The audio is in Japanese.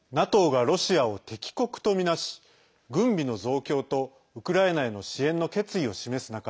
ＮＡＴＯがロシアを敵国とみなし軍備の増強とウクライナへの支援の決意を示す中